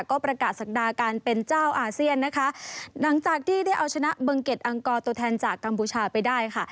ก็ประกาศศักดาการเป็นเจ้าอาเซียนนะคะหลังจากที่ได้เอาชนะเบิงเก็ตอังกอร์ตัวแทนจากกัมพูชาไปได้ค่ะ